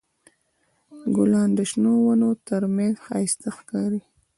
ګلان د شنو ونو تر منځ ښایسته ښکاري.